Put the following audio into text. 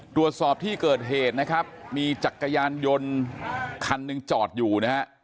ตรวจสอบที่เกิดเหตุนะครับมีจักรยานยนต์คันหนึ่งจอดอยู่นะฮะ